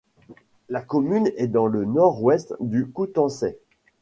La commune est dans le nord-ouest du Coutançais.